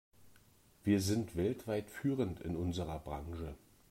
Wir sind weltweit führend in unserer Branche.